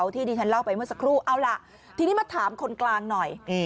ที่ที่ฉันเล่าไปเมื่อสักครู่เอาล่ะทีนี้มาถามคนกลางหน่อย